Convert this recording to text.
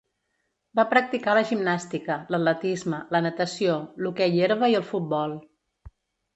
Va practicar la gimnàstica, l'atletisme, la natació, l'hoquei herba i el futbol.